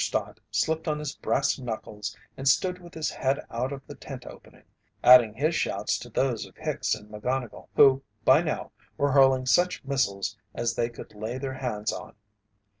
Stott slipped on his brass knuckles and stood with his head out of the tent opening, adding his shouts to those of Hicks and McGonnigle, who, by now, were hurling such missiles as they could lay their hands on.